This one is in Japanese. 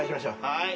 はい。